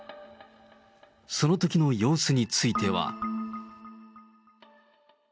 そのときの様子については。